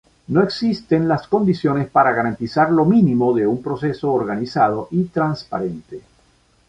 No existen las condiciones para garantizar lo mínimo de un proceso organizado y transparente".